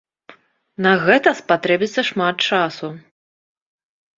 На гэта спатрэбіцца шмат часу.